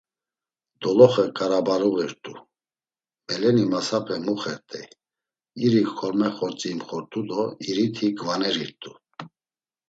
Doloxe ǩarabaluğirt̆u, meleni masape muxert̆ey, iri korme xortzi imxort̆u do iriti gvanerirt̆u.